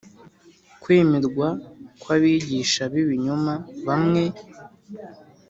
kwemerwa kw'abigisha b'ibinyoma bamwe.